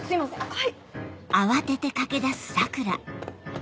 はい！